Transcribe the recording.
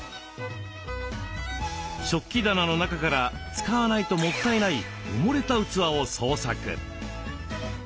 食器棚の中から使わないともったいない埋もれた器を捜索。